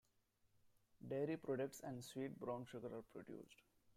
Dairy products and sweet brown sugar are produced.